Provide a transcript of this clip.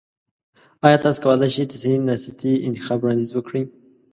ایا تاسو کولی شئ د صحي ناستي انتخاب وړاندیز وکړئ؟